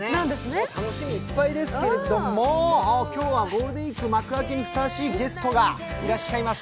もう楽しみいっぱいですけれども、今日はゴールデンウイーク幕開けにふさわしいゲストがいらっしゃいます。